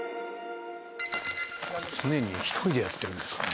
常に１人でやってるんですかね。